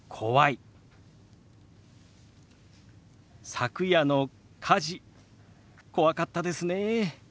「昨夜の火事怖かったですね」。